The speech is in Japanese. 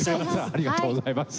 ありがとうございます。